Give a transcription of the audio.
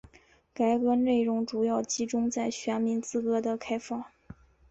改革内容主要集中在选民资格的开放。